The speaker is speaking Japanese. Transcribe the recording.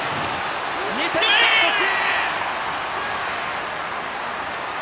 ２点勝ち越し！